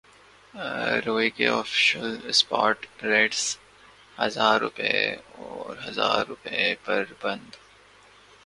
روئی کے official spot rates ہزار روپے اور ہزار روپے پر بند